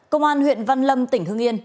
công an huyện văn lâm tỉnh hương yên